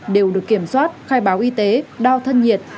đều được kiểm soát khai báo y tế đo thân nhiệt